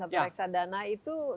atau reksadana itu